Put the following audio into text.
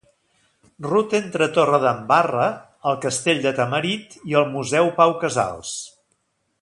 Ruta entre Torredembarra, el Castell de Tamarit i el Museu Pau Casals.